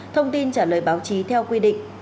thông tin trả lời báo chí theo quy định